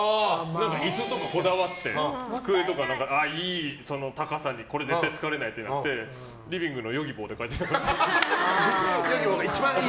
椅子とかこだわって、机とかいい高さに絶対疲れないって言ってリビングのヨギボーでやってる。